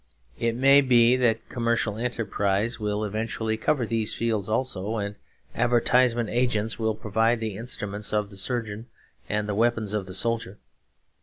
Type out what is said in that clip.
It may be that commercial enterprise will eventually cover these fields also, and advertisement agents will provide the instruments of the surgeon and the weapons of the soldier.